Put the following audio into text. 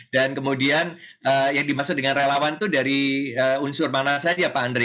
dan kemudian yang dimaksud dengan relawan itu dari unsur mana saja pak andre